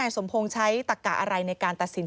ที่มันก็มีเรื่องที่ดิน